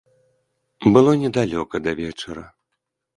Было недалёка да вечара.